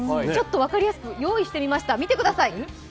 分かりやすく用意してみました。